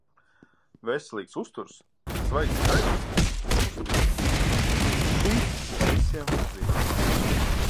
Veselīgs uzturs, svaigs gaiss un kustības – šīs visiem zināmās.